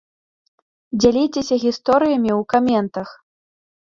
Дзяліцеся гісторыямі ў каментах!